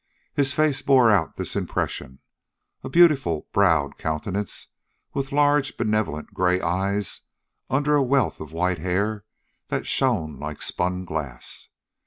His face bore out this impression a beautiful browed countenance, with large, benevolent gray eyes under a wealth of white hair that shone like spun glass.